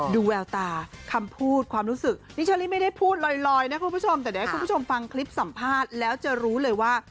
แววตาคำพูดความรู้สึกนี่เชอรี่ไม่ได้พูดลอยนะคุณผู้ชมแต่เดี๋ยวให้คุณผู้ชมฟังคลิปสัมภาษณ์แล้วจะรู้เลยว่า